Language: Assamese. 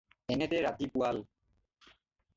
এনেতে ৰাতি পুৱাল।